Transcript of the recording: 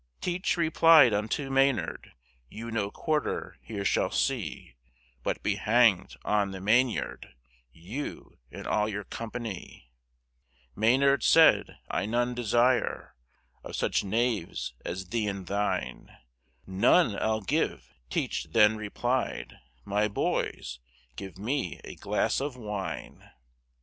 Teach replyed unto Maynard, You no Quarter here shall see, But be hang'd on the Mainyard, You and all your Company; Maynard said, I none desire Of such Knaves as thee and thine, None I'll give, Teach then replyed, My Boys, give me a Glass of Wine.